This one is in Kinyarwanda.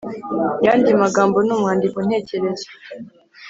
Mu yandi magambo ni umwandiko ntekerezo.